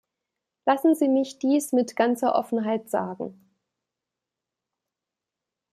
Lassen Sie mich dies mit ganzer Offenheit sagen.